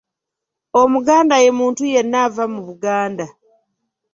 Omuganda ye muntu yenna ava mu Buganda.